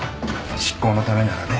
執行のためならね。